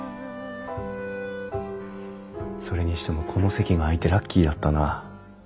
それにしてもこの席が空いてラッキーだったな。